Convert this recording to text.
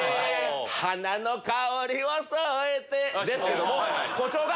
花の香りを添えてですけども誇張が。